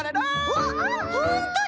あっほんとだ！